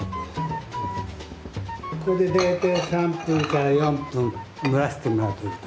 これで大体３分から４分蒸らしてもらうといいです。